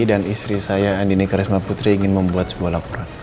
dan istri saya andini karisma putri ingin membuat sebuah laporan